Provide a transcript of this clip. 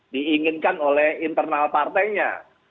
diinginkan oleh internal partainya